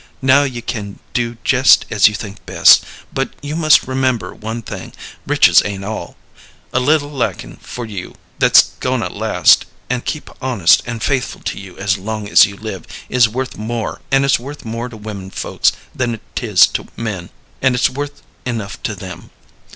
Now you can do jest as you think best, but you must remember one thing riches ain't all. A little likin' for you that's goin' to last, and keep honest and faithful to you as long as you live, is worth more; an' it's worth more to women folks than 't is to men, an' it's worth enough to them.